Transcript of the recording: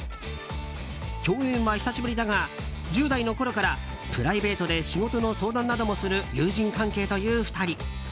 共演は久しぶりだが１０代のころからプライベートで仕事の相談などもする友人関係という２人。